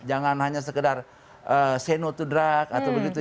jangan hanya sekedar say no to drug atau begitu